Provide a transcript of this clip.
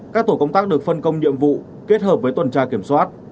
các tổ công tác được phân công nhiệm vụ kết hợp với tuần tra kiểm soát